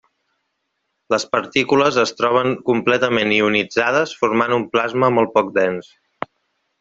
Les partícules es troben completament ionitzades formant un plasma molt poc dens.